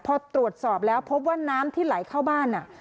พอตรวจสอบแล้วพบว่าน้ำที่ไหลเข้าบ้าน